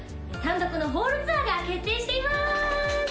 単独のホールツアーが決定しています！